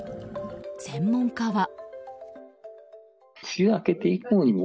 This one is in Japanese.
専門家は。